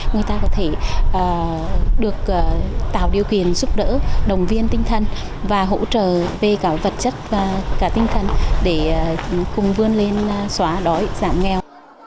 người ta có thể được tạo điều kiện giúp đỡ đồng viên tinh thần và hỗ trợ về cả vật chất và cả tinh thần để cùng vươn lên xóa đói giảm nghèo